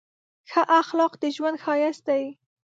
ښه اخلاق د ژوند ښایست دی.